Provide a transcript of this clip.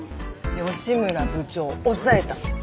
吉村部長を押さえた。